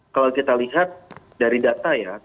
kalau kita lihat dari data ya